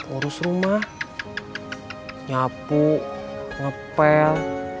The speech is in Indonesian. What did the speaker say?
urus rumah nyapu ngepel